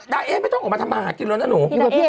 เอ๊ะไม่ต้องออกมาทำมาหากินแล้วนะหนู